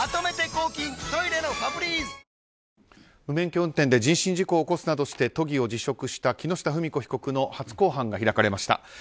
無免許運転で人身事故を起こすなどして都議を辞職した木下富美子被告の初公判が開かれました。